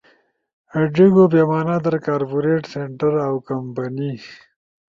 ڙیِگو پیمانہ در کارپوریٹس سنٹر اؤ کمپنئی